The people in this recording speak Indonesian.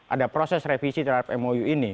ada proses revisi terhadap mou ini